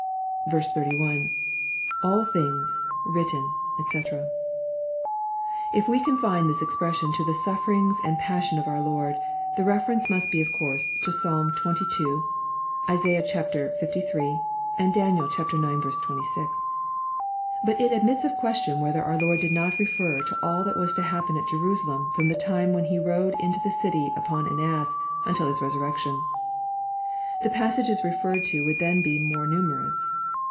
31. — [AU th%ngs...written^ &c^ If we confine this expression to the sufferings and passion of our Lord, the reference must of course be to Psalm xxii. ; Isaiah liii. ; and Daniel ix. 26. But it admits of question whether our Lord did not refer to all that was to happen at Jerusalem fi'om the time when He rode into the city upon an ass until His resurrection. The passages referred to would then be more numerous.